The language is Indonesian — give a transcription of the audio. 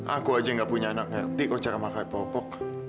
aku aja gak punya anak ngerti kok cara pakai popok